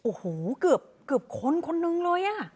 โอ้โหเกือบคนคนหนึ่งเลย